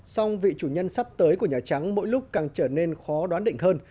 song vị chủ nhân sắp tới của nhà trắng mỗi lúc càng trở nên khó đoán định hơn